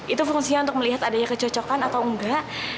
itu fungsinya untuk melihat adanya kecocokan atau enggak